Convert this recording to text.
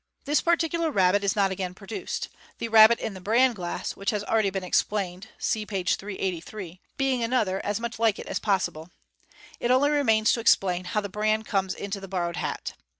This particular rabbit is not again produced, the rabbit in the "bran glass," which ha& already been explained (see page 383), being another as much like it aa possible. It only remains to explain how the bran comes into the borrowed hat.